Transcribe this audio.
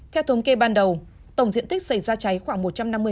theo thống kê ban đầu tổng diện tích xảy ra cháy khoảng một trăm năm mươi m hai